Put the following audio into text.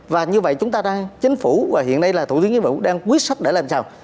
và như vậy chúng ta đang chính phủ và hiện nay là thủ tướng chính phủ đang quyết sách để làm sao